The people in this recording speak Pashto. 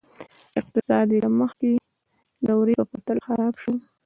اقتصاد یې له مخکې دورې په پرتله خراب شو.